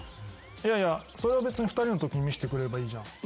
いやいやそれは２人のときに見してくれればいいじゃん。